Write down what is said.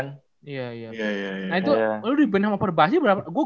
nah itu lo dibanding sama perbasinya berapa